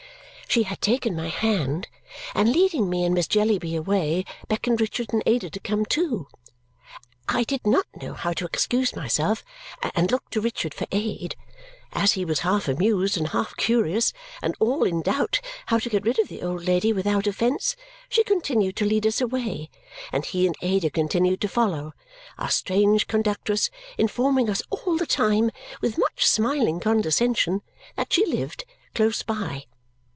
She had taken my hand, and leading me and Miss Jellyby away, beckoned Richard and Ada to come too. I did not know how to excuse myself and looked to Richard for aid. As he was half amused and half curious and all in doubt how to get rid of the old lady without offence, she continued to lead us away, and he and Ada continued to follow, our strange conductress informing us all the time, with much smiling condescension, that she lived close by.